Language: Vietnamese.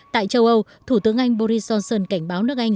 tại châu âu thủ tướng anh boris johnson cảnh báo nước anh